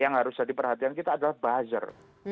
yang harus jadi perhatian kita adalah buzzer